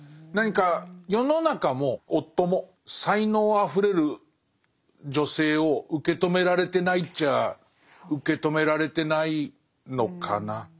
何か世の中も夫も才能あふれる女性を受け止められてないっちゃあ受け止められてないのかな。